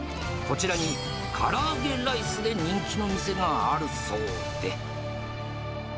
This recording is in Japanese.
こちらにから揚げライスで人気の店があるそうで。